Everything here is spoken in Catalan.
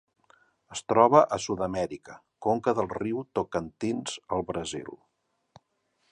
Es troba a Sud-amèrica: conca del riu Tocantins al Brasil.